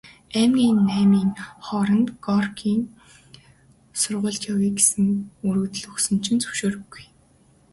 Аймгийн Намын хороонд Горькийн сургуульд явъя гээд өргөдөл өгсөн чинь зөвшөөрөөгүй.